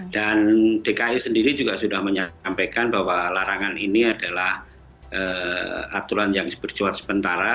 dan dki sendiri juga sudah menyampaikan bahwa larangan ini adalah aturan yang berjuang sementara